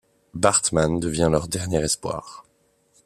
Bartman devient leur dernier espoir.